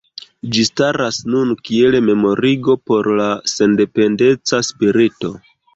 Ĝi staras nun kiel memorigo por la sendependeca spirito.